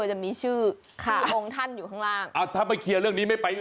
จะมีชื่อค่ะองค์ท่านอยู่ข้างล่างอ้าวถ้าไม่เคลียร์เรื่องนี้ไม่ไป